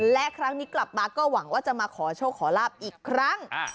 และครั้งนี้กลับมาก็หวังว่าจะมาขอโชคขอลาบอีกครั้ง